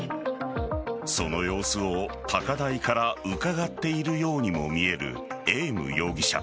その様子を高台からうかがっているようにも見えるエーム容疑者。